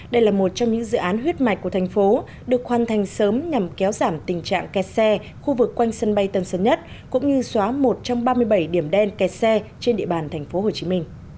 đây là một trong những dự án huyết mạch của thành phố được hoàn thành sớm nhằm kéo giảm tình trạng kẹt xe khu vực quanh sân bay tân sơn nhất cũng như xóa một trong ba mươi bảy điểm đen kẹt xe trên địa bàn tp hcm